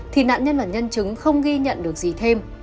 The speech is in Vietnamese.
thì nạn nhân và nhân chứng không ghi nhận được gì thêm